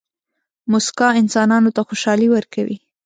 موسکا انسانانو ته خوشحالي ورکوي.